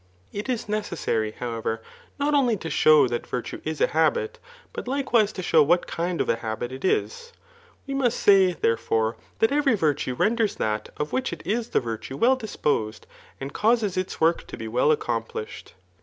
^VIt is necessary, howerer, not only to show diat virtue ^"a habit, but likewise to show what kind of a habit it %$• We must say, therefore, that every wtue, renders ttikt of which it is the virtue well disposed, and causes its %ork to be well accomplished.